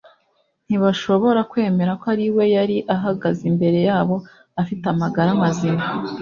ntibashobora kwemera ko ari we. Yari ahagaze imbere yabo afite amagara mazima,